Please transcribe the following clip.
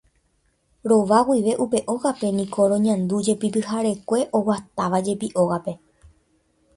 Rova guive upe ógape niko roñandújepi pyharekue oguatávajepi ógape.